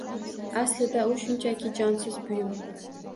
Aslida, u shunchaki jonsiz buyum